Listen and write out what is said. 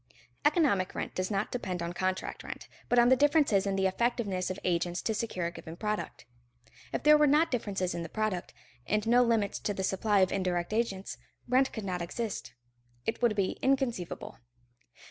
Economic rent does not depend on contract rent, but on the differences in the effectiveness of agents to secure a given product. If there were not differences in the product, and no limits to the supply of indirect agents, rent could not exist; it would be inconceivable.